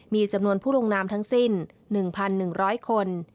มีจำนวนผู้ลงนามทั้งสิ้น๑๑๐๐คน